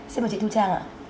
xin mời chị thu trang ạ